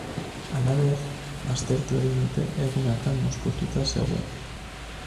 Halaber, baztertu egin dute egun hartan mozkortuta zegoenik.